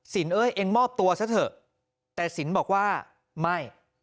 เอ้ยเองมอบตัวซะเถอะแต่สินบอกว่าไม่